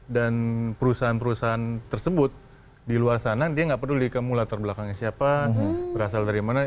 dan perusahaan perusahaan tersebut di luar sana dia nggak peduli kamu latar belakangnya siapa berasal dari mana